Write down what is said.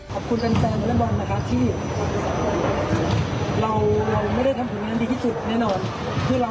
ขอบคุณแฟนวอเล็กบอลนะครับที่เราไม่ได้ทำผลงานดีที่สุดแน่นอน